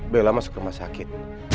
bella masuk rumah sakit